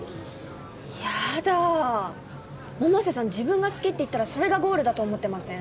やだ百瀬さん自分が好きって言ったらそれがゴールだと思ってません？